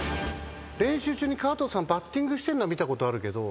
練習中に川藤さんバッティングしてるのは見たことあるけど。